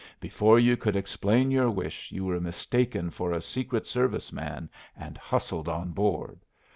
Before you could explain your wish you were mistaken for a secret service man, and hustled on board.